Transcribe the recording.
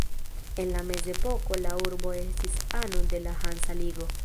En la Mezepoko la urbo estis ano de la Hansa Ligo.